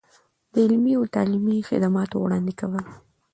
د علمي او تعلیمي خدماتو وړاندې کول.